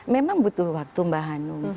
memang butuh waktu mbak hanum